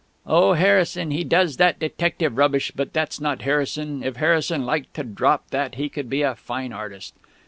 'Oh, Harrison; he does that detective rubbish, but that's not Harrison; if Harrison liked to drop that he could be a fine artist!'